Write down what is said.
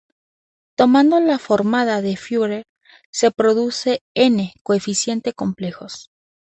Tomando la transformada de Fourier se produce "N" coeficientes complejos.